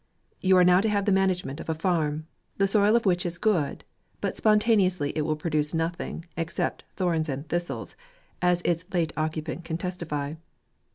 You are now to have the management of a farm, the soil of which is good, but spon taneously it will produce nothing, except " thorns and thistles," as its late occupant can testify.